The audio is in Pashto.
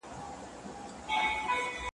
اوښ به ولي په سرو سترګو نه ژړیږي `